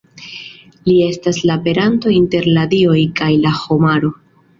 Li estas la peranto inter la dioj kaj la homaro.